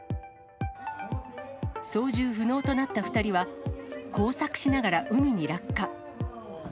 操縦不能となった２人は、交錯しながら海に落下。